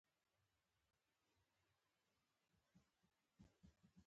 هغه خندل او ما ورته حيران کتل.